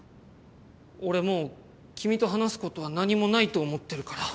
俺もう君と話すことは何もないと思ってるから。